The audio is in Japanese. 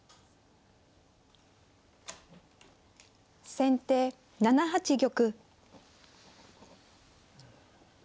先手７八玉。